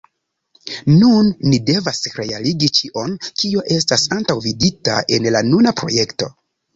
Nun ni devas realigi ĉion kio estas antaŭvidita en la nuna projekto.